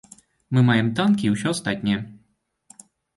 Мы маем танкі і ўсё астатняе.